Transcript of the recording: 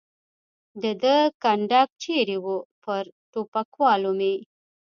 د ده کنډک چېرې و؟ پر ټوپکوالو مې.